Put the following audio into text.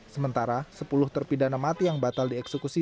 sementara sepuluh terpidana mati yang batal dieksekusi